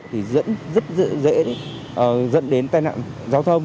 thì dẫn rất dễ dẫn đến tai nạn giao thông